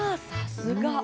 さすが！